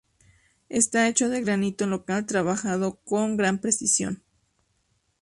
Está hecho de granito local trabajado con gran precisión.